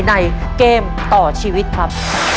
ในเกมต่อชีวิตครับ